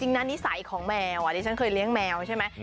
นะนิสัยของแมวดิฉันเคยเลี้ยงแมวใช่ไหม